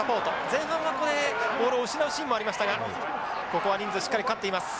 前半はこれボールを失うシーンもありましたがここは人数しっかりかかっています。